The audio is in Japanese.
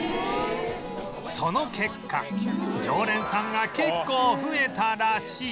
その結果常連さんが結構増えたらしい